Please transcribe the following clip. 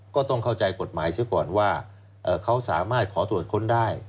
ก็ต้องเข้าใจกฎหมายเสียก่อนว่าเขาสามารถขอตรวจค้นได้